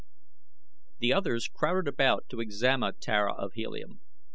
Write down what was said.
The others crowded about to examine Tara of Helium.